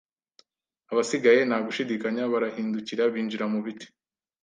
abasigaye, nta gushidikanya, barahindukira binjira mu biti.